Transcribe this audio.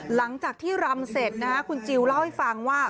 หลังจากที่รำเสร็จนะคุณจิลเล่าให้ฟังว่า